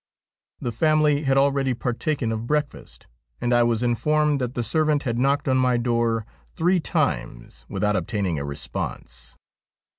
The family had already partaken of breakfast, and I was informed that tho servant had knocked on my door three times without obtaining a response.